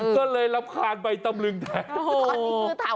ก็เลยรำคาญใบตำลึงแทน